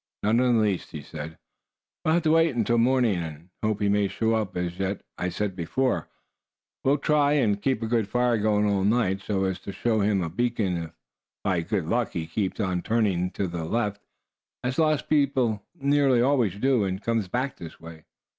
"Not in the least," he said. "We'll have to wait until morning, and hope he may show up yet. As I said before, we'll try and keep a fire going all night, so as to show him a beacon, if by good luck he keeps on turning to the left, as lost people nearly always do, and comes back this way."